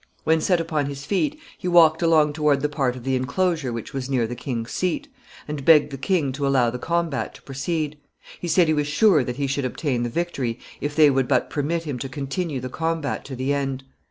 When set upon his feet, he walked along toward the part of the inclosure which was near the king's seat, and begged the king to allow the combat to proceed. He said he was sure that he should obtain the victory if they would but permit him to continue the combat to the end.